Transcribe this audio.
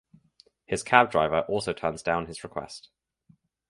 His cab driver also turns down his request.